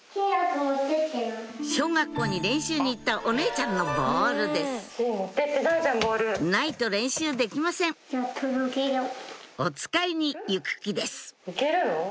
小学校に練習に行ったお姉ちゃんのボールですないと練習できませんおつかいに行く気です